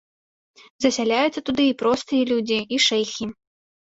Засяляюцца туды і простыя людзі, і шэйхі.